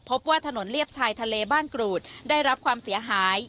พบว่าถนนเลียบชายทะเลบ้านกรูดได้รับความเสียหาย